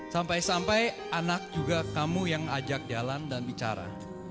sampai sampai anak juga kamu yang ajak jalan dan bicara